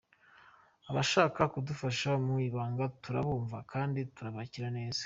Abashaka kudufasha mu ibanga turabumva, kandi tubakira neza.